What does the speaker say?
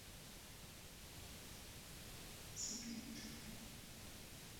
硬毛白珠为杜鹃花科白珠树属白果白珠的变种。